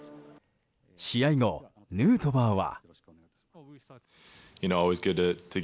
試合後、ヌートバーは。